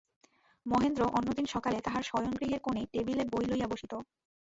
মহেন্দ্র অন্যদিন সকালে তাহার শয়নগৃহের কোণে টেবিলে বই লইয়া বসিত।